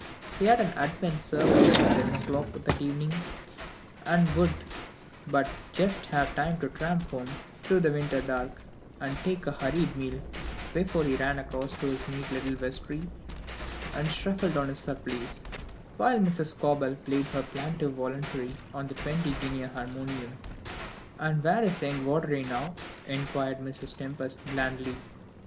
He had an Advent service at seven o'clock that evening, and would but just have time to tramp home through the winter dark, and take a hurried meal, before he ran across to his neat little vestry and shuffled on his surplice, while Mrs. Scobel played her plaintive voluntary on the twenty guinea harmonium. "And where is young Vawdrey now?" inquired Mrs. Tempest blandly.